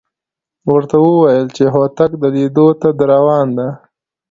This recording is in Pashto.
ورته وېویل چې هوتک د لیدو ته درروان دی.